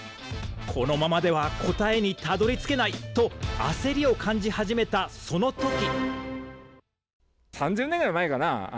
このままでは答えにたどりつけないと焦りを感じ始めた、そのとき。